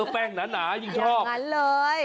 แป้งหนายิ่งชอบงั้นเลย